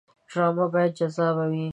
ډرامه باید جذابه وي